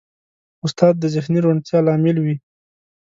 استاد د ذهني روڼتیا لامل وي.